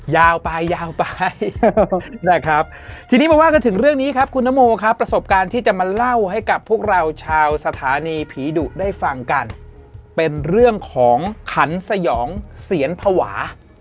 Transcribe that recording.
ยาวไปยาวไปนะครับทีนี้มาว่ากันถึงเรื่องนี้ครับคุณนโมครับประสบการณ์ที่จะมาเล่าให้กับพวกเราชาวสถานีผีดุได้ฟังกันเป็นเรื่องของขันสยองเสียนภาวะ